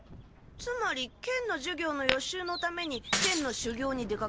つまり剣の授業の予習のために剣のしゅぎょうに出かけると？